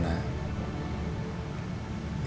ini satu satunya cara kita